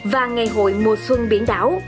và ngày hội mùa xuân biển đảo